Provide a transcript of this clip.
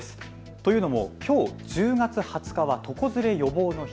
というのもきょう１０月２０日は床ずれ予防の日。